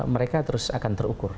mereka terus akan terukur